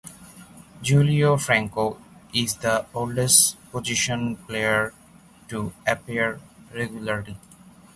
Julio Franco is the oldest position player to appear regularly.